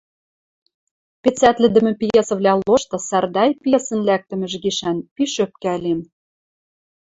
Пецӓтлӹдӹмӹ пьесӹвлӓ лошты «Сардай» пьесӹн лӓкдӹмӹжӹ гишӓн пиш ӧпкӓлем.